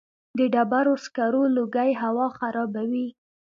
د ډبرو سکرو لوګی هوا خرابوي؟